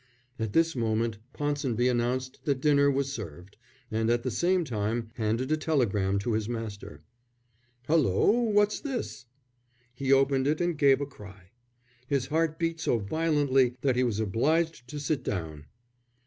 At this moment Ponsonby announced that dinner was served, and at the same time handed a telegram to his master. "Hulloa, what's this?" He opened it and gave a cry. His heart beat so violently that he was obliged to sit down.